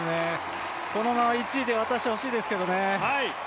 このまま１位で渡してほしいですけどね。